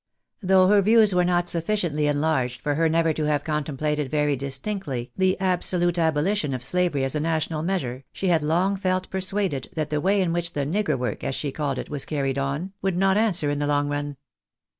Though her views were not sufficiently enlarged for her never to have contemplated very distinctly the absolute aboUtion of slavery as a national measure, she had long felt persuaded that the way in ■which the " nigger work," as she called it, was carried on, would INTERESTED ATJDITOES. 197 not answer in the long run.